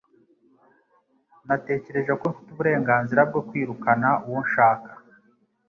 Natekereje ko mfite uburenganzira bwo kwirukana uwo nshaka.